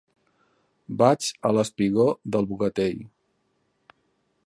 Vaig al espigó del Bogatell.